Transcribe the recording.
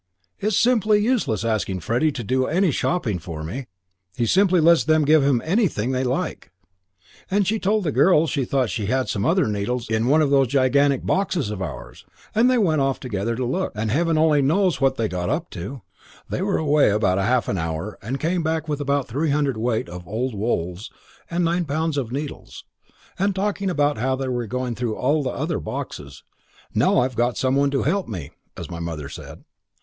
It's simply useless asking Freddie to do any shopping for me. He simply lets them give him anything they like.' And she told the girl she thought she had some other needles in one of those gigantic old boxes of ours. And they went off together to look, and heaven only knows what they got up to; they were away about half an hour and came back with about three hundredweight of old wools and nine pounds of needles, and talking about how they were going through all the other boxes, 'now I've got some one to help me', as my mother said.